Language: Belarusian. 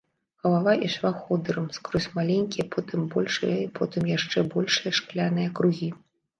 Галава ішла ходырам скрозь маленькія, потым большыя, потым яшчэ большыя шкляныя кругі.